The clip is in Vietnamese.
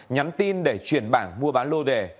nhắn tin để chuyển bảng mua bán lô đẻ